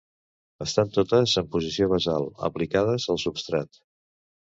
Estan totes en posició basal, aplicades al substrat.